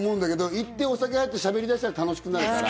行って、お酒入って、しゃべりだしたら楽しくなるから。